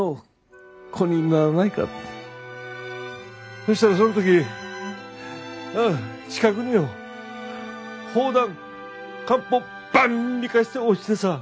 そしたらその時近くによ砲弾艦砲バーンみかして落ちてさ。